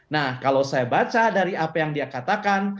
nah kalau saya baca dari apa yang dia katakan